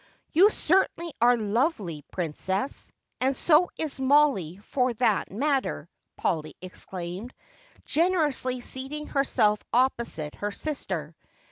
"You certainly are lovely, Princess, and so is Mollie for that matter," Polly exclaimed, generously seating herself opposite her sister.